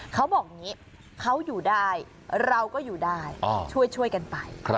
เขาบอกอย่างนี้เขาอยู่ได้เราก็อยู่ได้ช่วยกันไป